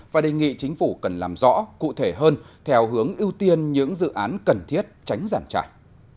và đề nghị chính phủ cần làm rõ cụ thể hơn theo hướng ưu tiên những dự án cần thiết tránh giàn trải